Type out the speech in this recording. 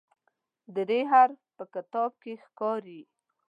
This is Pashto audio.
د "ر" حرف په کتاب کې ښکاري.